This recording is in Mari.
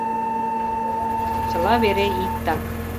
— Чыла вере иктак.